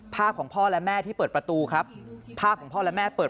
พ่อของพ่อและแม่ที่เปิดประตูครับภาพของพ่อและแม่เปิด